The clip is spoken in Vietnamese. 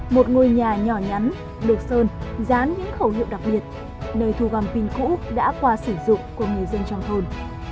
một ngôi nhà nhỏ nhắn được sơn dán những khẩu hiệu đặc biệt nơi thu gom pin cũ đã qua sử dụng của người dân trong thôn